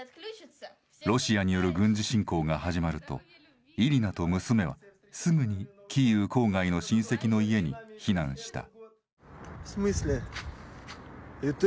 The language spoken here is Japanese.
ロシアによる軍事侵攻が始まるとイリナと娘はすぐに、キーウ郊外の親戚の家に避難した。